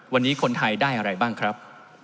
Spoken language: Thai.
วันนี้คนไทยได้อะไรบ้างครับ